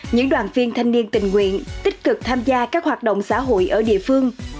những đoàn viên thanh niên tình nguyện tích cực tham gia các hoạt động xã hội ở địa phương